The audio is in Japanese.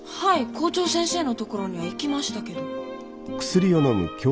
校長先生のところには行きましたけど。